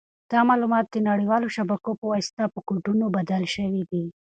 دا معلومات د نړیوالو شبکو په واسطه په کوډونو بدل شوي دي.